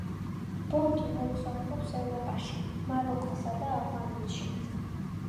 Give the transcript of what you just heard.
ბონდი მოგზაურობს ევროპაში, მაროკოსა და ავღანეთში.